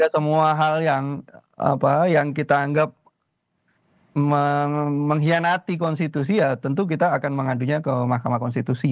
semua hal yang kita anggap mengkhianati konstitusi ya tentu kita akan mengadunya ke mahkamah konstitusi